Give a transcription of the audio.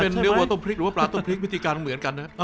เอ่อเป็นเนื้อวัวต้มพริกหรือว่าปลาต้มพริกพิธีการเหมือนกันนะ